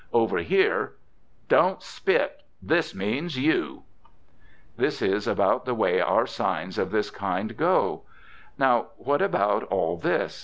Over here: Don't Spit? This means You! This is about the way our signs of this kind go. Now what about all this?